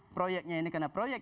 proyeknya ini karena proyeknya